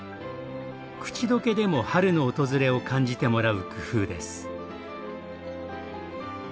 口溶けでも春の訪れを感じてもらう工夫です。